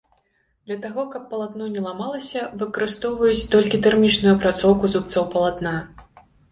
Для таго, каб палатно не ламалася, выкарыстоўваюць толькі тэрмічную апрацоўку зубцоў палатна.